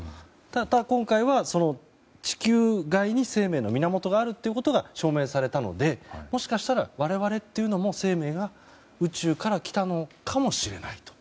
ただ、今回は地球外に生命の源があることが証明されたのでもしかしたら我々というのも生命が宇宙から来たのかもしれないと。